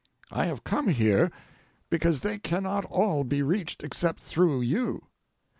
I have come here because they cannot all be reached except through you.